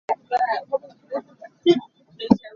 Tuzaan cu thlapa vangah dangte kan dum lai.